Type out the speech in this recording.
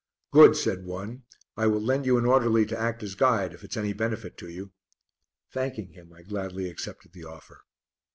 "Good," said one. "I will lend you an orderly to act as guide if it's any benefit to you." Thanking him, I gladly accepted the offer.